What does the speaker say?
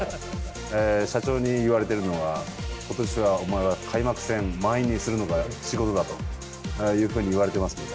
社長に言われてるのは、ことしはお前は開幕戦満員にするのが仕事だというふうに言われてますので。